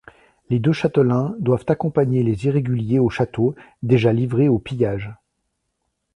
Les deux châtelains doivent accompagner les irréguliers au château, déjà livré au pillage.